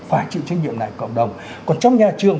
phải chịu trách nhiệm này ở cộng đồng còn trong nhà trường